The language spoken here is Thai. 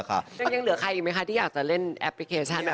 ยังเหลือใครอีกไหมคะที่อยากจะเล่นแอปพลิเคชัน